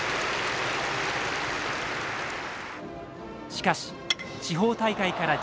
しかし地方大会から１０試合